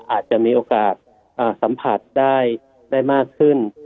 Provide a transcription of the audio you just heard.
อาจจะมีโอกาสสัมผัสได้มากขึ้น